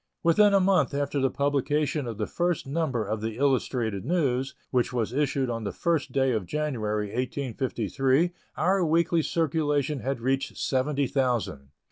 Within a month after the publication of the first number of the Illustrated News, which was issued on the first day of January, 1853, our weekly circulation had reached seventy thousand.